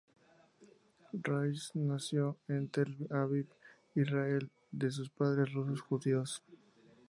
Roiz nació en Tel Aviv, Israel, de padres rusos judíos.